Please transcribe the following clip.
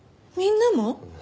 みんなも？